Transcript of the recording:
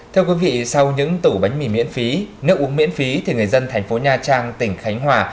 thưa quý vị sau những tủ bánh mì miễn phí nước uống miễn phí thì người dân thành phố nha trang tỉnh khánh hòa